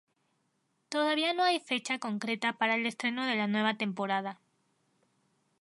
Todavía no hay una fecha concreta para el estreno de la nueva temporada.